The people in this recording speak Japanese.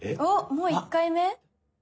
もう１回目？